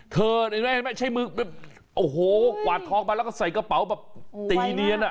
เห็นไหมใช้มือโอ้โหกวาดทองมาแล้วก็ใส่กระเป๋าแบบตีเนียนอ่ะ